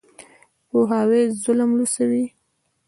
پوهاوی ظالم لوڅوي.